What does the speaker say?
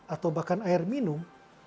atau bahkan air minum